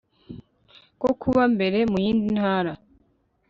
ko kuba mbere, muyindi ntara